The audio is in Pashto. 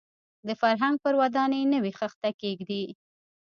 د فرهنګ پر ودانۍ نوې خښته کېږدي.